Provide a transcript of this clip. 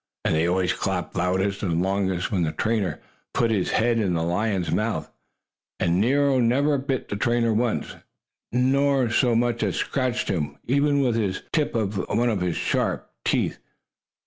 And they always clapped loudest and longest when the trainer put his head in the lion's mouth. And Nero never bit the trainer once, nor so much as scratched him, even with the tip of one sharp tooth.